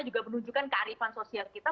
juga menunjukkan kearifan sosial kita